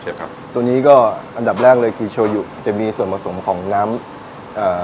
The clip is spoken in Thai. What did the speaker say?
ครับตัวนี้ก็อันดับแรกเลยคือโชยุจะมีส่วนผสมของน้ำเอ่อ